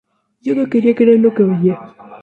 Yo no quería creer lo que oía.